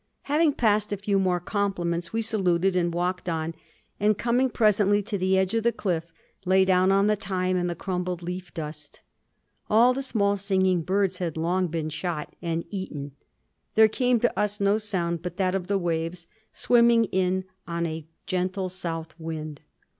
Having passed a few more compliments, we saluted and walked on; and, coming presently to the edge of the cliff, lay down on the thyme and the crumbled leaf dust. All the small singing birds had long been shot and eaten; there came to us no sound but that of the waves swimming in on a gentle south wind.